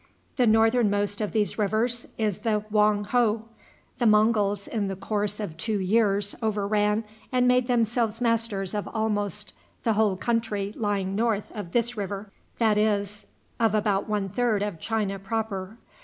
The northernmost of these rivers is the Hoang Ho. The Monguls in the course of two years overran and made themselves masters of almost the whole country lying north of this river, that is, of about one third of China proper.